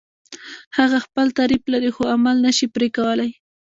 هغه خپل تعریف لري خو عمل نشي پرې کولای.